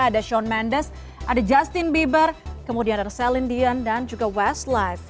ada shion mendes ada justin bieber kemudian ada celine dien dan juga westlife